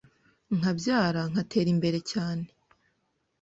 nkabyara nkatera imbere cyane